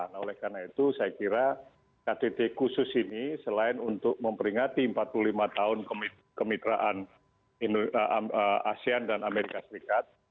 nah oleh karena itu saya kira ktt khusus ini selain untuk memperingati empat puluh lima tahun kemitraan asean dan amerika serikat